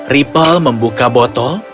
ripel membuka botol